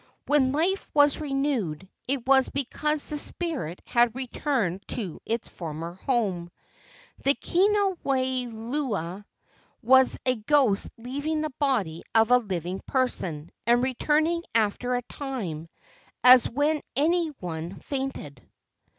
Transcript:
When life was renewed it was because the spirit had returned to its former home. The kino wai lua was a ghost leaving the body of a living person and returning after a time, as when any one fainted.